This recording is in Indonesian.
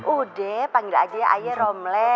udah panggil aja ayo romle